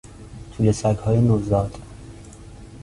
توله سگهای نوزاد